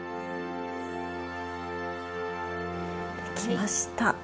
できました。